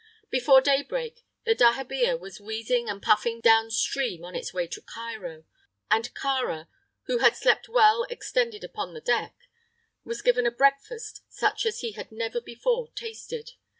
Before daybreak the dahabeah was wheezing and puffing down stream on its way to Cairo, and Kāra, who had slept well extended upon the deck, was given a breakfast such as he had never before tasted.